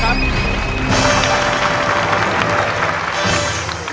ใช้ครับ